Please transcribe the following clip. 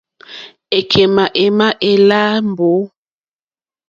Èkémà émá èláǃá mbǒ.